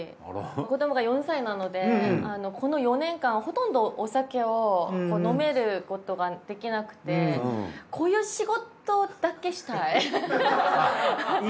子どもが４歳なのでこの４年間ほとんどお酒を飲めることができなくてこういう仕事だけしたい。